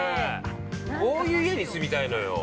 ◆こういう家に住みたいのよ。